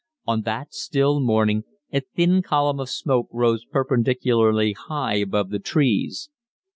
On that still morning a thin column of smoke rose perpendicularly high above the trees.